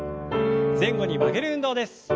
前後に曲げる運動です。